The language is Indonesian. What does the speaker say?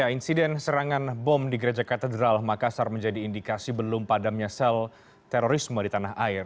insiden serangan bom di gereja katedral makassar menjadi indikasi belum padamnya sel terorisme di tanah air